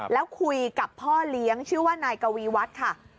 แล้วคุยกับพ่อเลี้ยงชื่อว่านายกวีวัฒน์ค่ะ